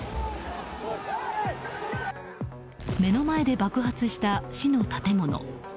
目の前で爆発した市の建物。